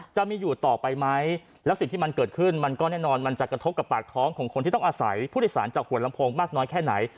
จะมีอยู่ต่อไปไหมแล้วสิ่งที่มันเกิดขึ้นมันก็แน่นอนมันจะกระทบกับปากท้องของคนที่ต้องอาศัยผู้โดยสารจากหัวลำโพงมากน้อยแค่ไหน